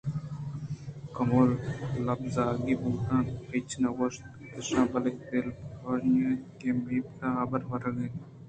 کمیں لپرزگی بوت اَنت ہچ نہ گوٛشت اش بلئے دل ءَ بُژنیگ اِت اَنت کہ مپت ءَ حبر ورگءَ انت